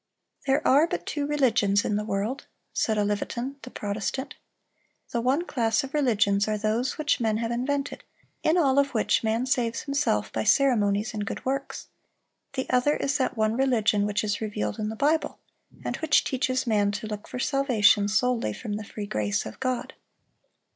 "There are but two religions in the world," said Olivetan, the Protestant. "The one class of religions are those which men have invented, in all of which man saves himself by ceremonies and good works; the other is that one religion which is revealed in the Bible, and which teaches man to look for salvation solely from the free grace of God."